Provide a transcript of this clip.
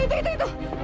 itu itu itu